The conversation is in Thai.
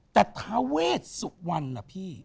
แต่ทาเวชสุวรรณนะพี่